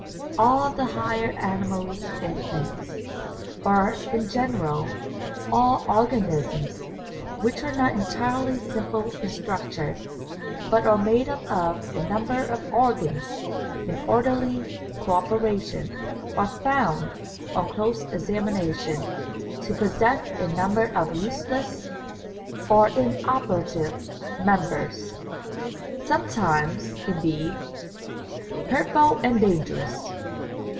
All the higher animals and plants, or, in general, all organisms which are not entirely simple in structure, but are made up of a number of organs in orderly co operation, are found, on close examination, to possess a number of useless or inoperative members, sometimes, indeed, hurtful and dangerous.